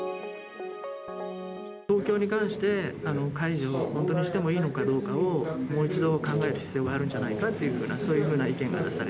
東京に関して、解除を本当にしてもいいのかどうかを、もう一度考える必要があるんじゃないかというような、そういうよ